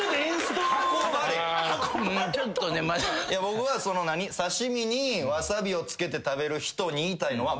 僕が刺し身にわさびをつけて食べる人に言いたいのは。